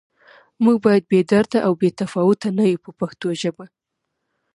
موږ باید بې درده او بې تفاوته نه یو په پښتو ژبه.